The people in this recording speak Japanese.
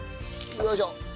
よいしょ！